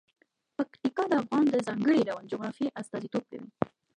پکتیکا د افغانستان د ځانګړي ډول جغرافیه استازیتوب کوي.